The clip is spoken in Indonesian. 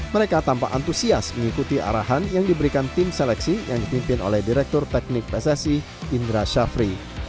mereka tampak antusias mengikuti arahan yang diberikan tim seleksi yang dipimpin oleh direktur teknik pssi indra syafri